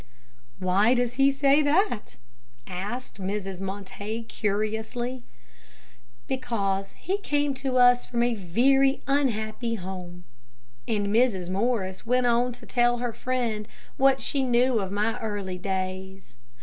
'" "Why does he say that?" asked Mrs. Montague, curiously. "Because he came to us from a very unhappy home." And Mrs. Morris went on to tell her friend what she knew of my early days.